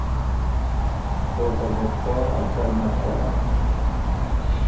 او ته بد خواه ا چل نک چلا “